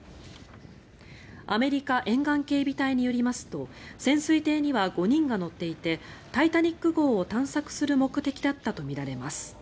アメリカ沿岸警備隊によりますと潜水艇には５人が乗っていて「タイタニック号」を探索する目的だったとみられます。